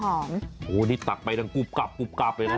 โอ้โหนี่ตักไปกรุบกรับเลยนะ